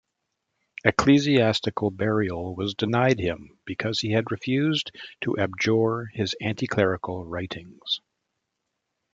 Ecclesiastical burial was denied him because he had refused to abjure his anti-clerical writings.